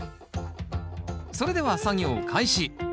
それでは作業開始。